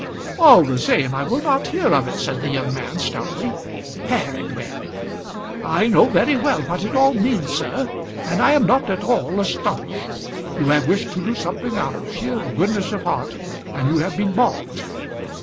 "All the same, I will not hear of it," said the young man, stoutly. "Peregrine!" "I know very well what it all means, sir, and I am not at all astonished. You have wished to do something out of sheer goodness of heart, and you have been balked."